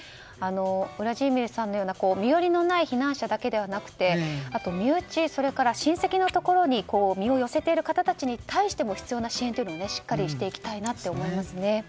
ウラジーミルさんのような身寄りのない避難者だけではなく身内、それから親戚のところに身を寄せている方に必要な支援をしっかりしていきたいなと思います。